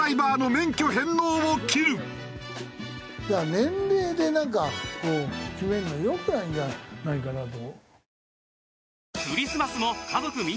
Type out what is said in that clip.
年齢でなんかこう決めるのは良くないんじゃないかなと。